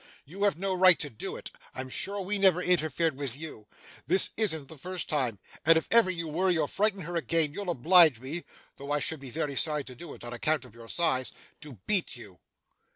You have no right to do it; I'm sure we never interfered with you. This isn't the first time; and if ever you worry or frighten her again, you'll oblige me (though I should be very sorry to do it, on account of your size) to beat you.